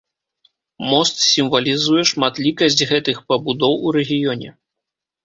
Мост сімвалізуе шматлікасць гэтых пабудоў у рэгіёне.